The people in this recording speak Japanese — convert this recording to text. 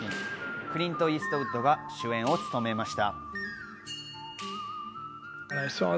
クリント・イーストウッドが主演を務めました。